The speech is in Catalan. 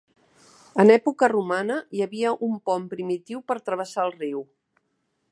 En època romana hi havia un pont primitiu per travessar el riu.